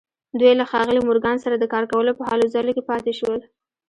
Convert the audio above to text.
دوی له ښاغلي مورګان سره د کار کولو په هلو ځلو کې پاتې شول